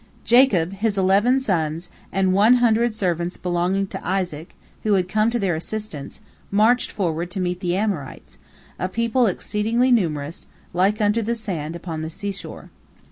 Jacob, his eleven sons, and one hundred servants belonging to Isaac, who had come to their assistance, marched forward to meet the Amorites, a people exceedingly numerous, like unto the sand upon the sea shore.